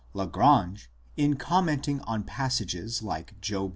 Lagrange, in commenting on passages like Job ii.